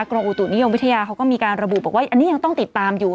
กรมอุตุนิยมวิทยาเขาก็มีการระบุบอกว่าอันนี้ยังต้องติดตามอยู่